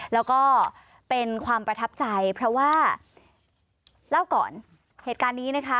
แล้วก็เป็นความประทับใจเพราะว่าเล่าก่อนเหตุการณ์นี้นะคะ